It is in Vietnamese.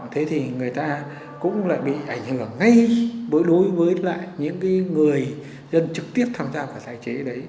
thế thì người ta cũng lại bị ảnh hưởng ngay đối với những người dân trực tiếp tham gia và tái chế đấy